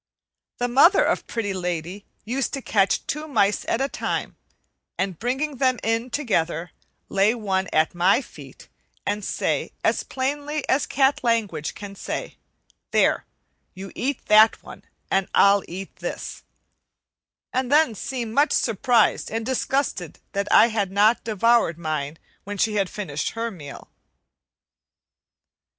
The mother of Pretty Lady used to catch two mice at a time, and bringing them in together, lay one at my feet and say as plainly as cat language can say, "There, you eat that one, and I'll eat this," and then seem much surprised and disgusted that I had not devoured mine when she had finished her meal.